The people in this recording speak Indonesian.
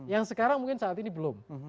yang sekarang mungkin saat ini belum